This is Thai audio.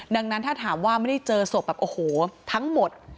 ดังนั้นถ้าถามว่าไม่ได้เจอศพแบบโอ้โหทั้งหมด